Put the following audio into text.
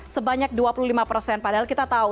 sebanyak dua puluh lima persen padahal kita tahu